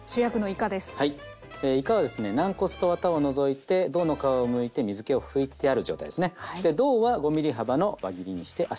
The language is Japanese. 軟骨とワタを除いて胴の皮をむいて水けを拭いてある状態ですね。